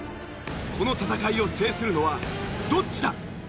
この戦いを制するのはどっちだ？